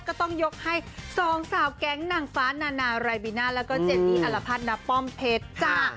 ก็ต้องยกให้๒สาวแกงหนังฟ้าหนาไรบีน่าแล้วก็เจรนดี้อะละพัดณป้อมเผชจ้า